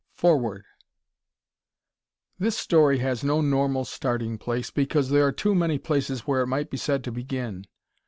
FOREWORD This story has no normal starting place, because there are too many places where it might be said to begin.